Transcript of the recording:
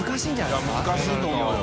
いや難しいと思うよ。